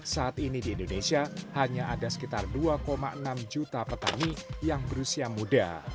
saat ini di indonesia hanya ada sekitar dua enam juta petani yang berusia muda